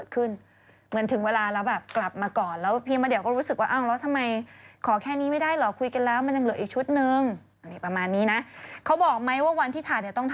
คืออะไรนะหน้าเดียวกันค่ะหน้าเดียวกันค่ะคอลัมทันโลก